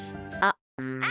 あっ。